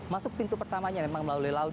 masuk pintu pertamanya memang melalui laut